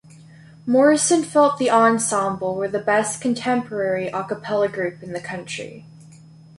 Morrison felt the ensemble were the best contemporary a cappella group in the country.